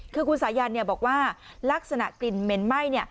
คือคุณสายันบอกว่าลักษณะกลิ่นเหม็นไหม้